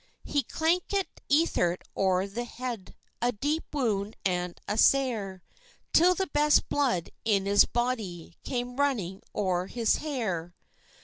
He clankit Ethert o'er the head A deep wound and a sair, Till the best blood in his body Came running o'er his hair.